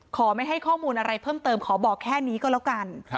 ไม่ให้ข้อมูลอะไรเพิ่มเติมขอบอกแค่นี้ก็แล้วกัน